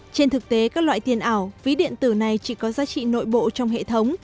trên thực tế các loại tiền ảo ví điện tử này chỉ có giá trị nội bộ trong hệ thống